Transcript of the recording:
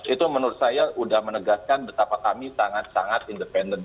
itu menurut saya sudah menegaskan betapa kami sangat sangat independen